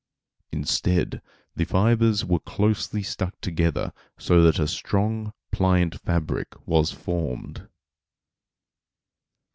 Instead, the fibres were closely stuck together so that a strong, pliant fabric was formed.